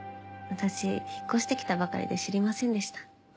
私引っ越してきたばかりで知りませんでした。